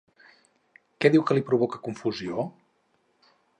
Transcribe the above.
Què diu que li provoca confusió?